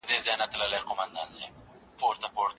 د کندهار په صنعت کي د کیفیت معیارونه څنګه ټاکل کېږي؟